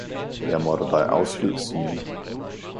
jeg måtte dig afsked sige.